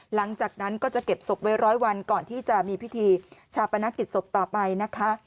หลังจากนั้นก็จะเก็บศพไว้ร้อยวันก่อนที่จะมีพิธีชาปนกิจศพต่อไปนะคะ